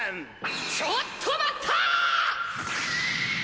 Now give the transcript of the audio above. ちょっと待った！